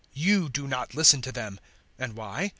You do not listen to them: and why?